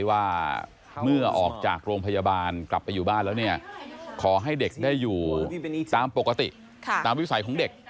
ว่าเมื่อออกจากโรงพยาบาลกลับไปอยู่บ้านแล้วเนี่ยขอให้เด็กได้อยู่ตามปกติตามวิสัยของเด็ก